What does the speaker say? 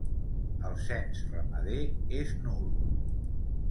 El cens ramader és nul.